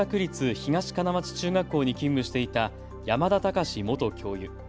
東金町中学校に勤務していた山田高士元教諭。